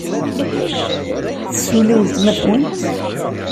Tessulli weltma-twent?